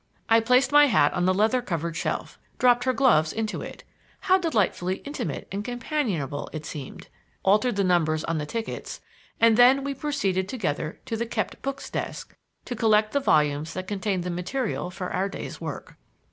I placed my hat on the leather covered shelf, dropped her gloves into it how delightfully intimate and companionable it seemed! altered the numbers on the tickets, and then we proceeded together to the "kept books" desk to collect the volumes that contained the material for our day's work.